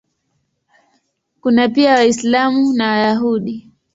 Kuna pia Waislamu na Wayahudi.